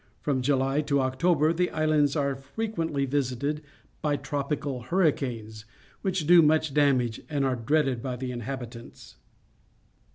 From Julj' to October the islands are frequenth' visited by tropical hurricanes, wluch do much dam age and are dreaded bj' the inhabitants.